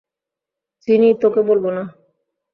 চিনি, তোকে বলব না।